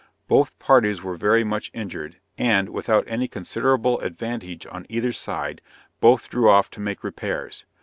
Both parties were very much injured; and, without any considerable advantage on either side, both drew off to make repairs.